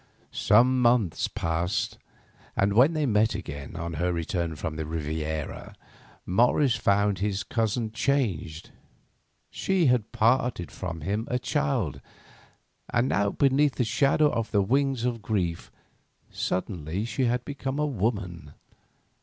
Some months passed, and when they met again, on her return from the Riviera, Morris found his cousin changed. She had parted from him a child, and now, beneath the shadow of the wings of grief, suddenly she had become a woman.